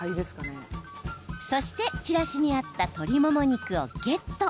そして、チラシにあった鶏もも肉をゲット。